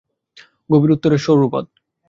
গভীর উত্তরের সরু পথ